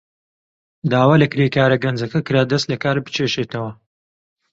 داوا لە کرێکارە گەنجەکە کرا دەست لەکار بکێشێتەوە.